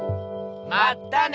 まったね！